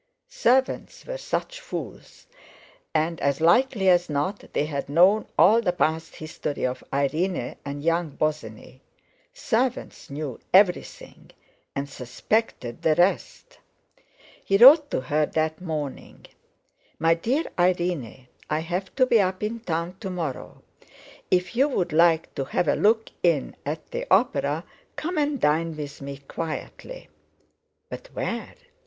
Servants were such fools; and, as likely as not, they had known all the past history of Irene and young Bosinney—servants knew everything, and suspected the rest. He wrote to her that morning: "MY DEAR IRENE,—I have to be up in town to morrow. If you would like to have a look in at the opera, come and dine with me quietly ...." But where?